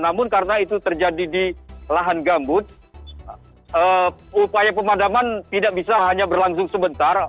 namun karena itu terjadi di lahan gambut upaya pemadaman tidak bisa hanya berlangsung sebentar